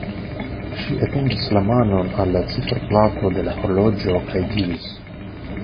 Ŝi etendis la manon al la ciferplato de la horloĝo kaj diris.